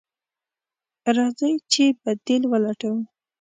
راځئ چې بديل ولټوو.